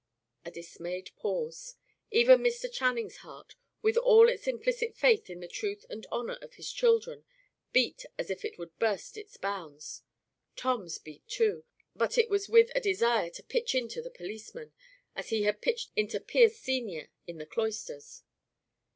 A dismayed pause. Even Mr. Channing's heart, with all its implicit faith in the truth and honour of his children, beat as if it would burst its bounds. Tom's beat too; but it was with a desire to "pitch into" the policemen, as he had pitched into Pierce senior in the cloisters.